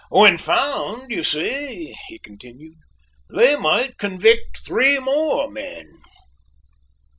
When found, you see," he continued, "they might convict three more men."